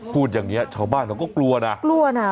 พูดอย่างนี้ชาวบ้านเขาก็กลัวนะกลัวนะ